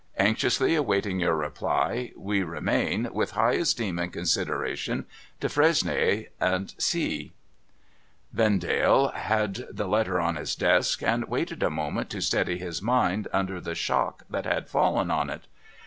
Anxiously awaiting your reply, we remain, with high esteem and consideration, ' Defresnier & C'^' Vendale had the letter on his desk, and waited a moment to steady his mind under the shock that had fallen on it.